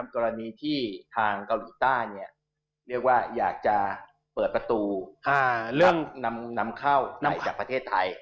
กรณีที่ทางเกาหลีต้าเนี่ยเรียกว่าอยากจะเปิดประตูนำข้าวไก่จากประเทศไทย